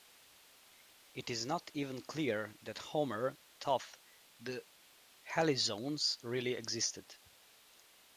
It is not even clear that Homer thought the Halizones really existed.